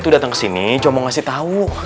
disini cuma ngasih tahu